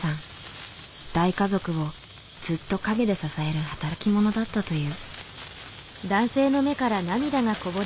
大家族をずっと陰で支える働き者だったという。